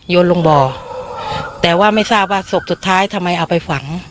ลงบ่อแต่ว่าไม่ทราบว่าศพสุดท้ายทำไมเอาไปฝัง